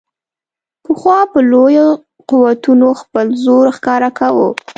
پخوا به لویو قوتونو خپل زور ښکاره کاوه.